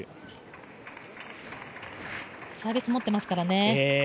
サービス持ってますからね。